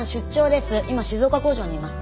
今静岡工場にいます。